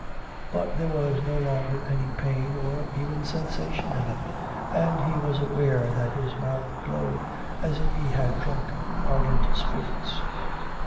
But there was no longer any pain or even sensation in them; and he was aware that his mouth glowed as if he had drunk ardent spirits.